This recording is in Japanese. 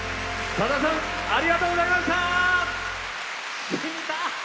さださんありがとうございました。